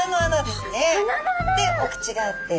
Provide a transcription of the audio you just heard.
でお口があって。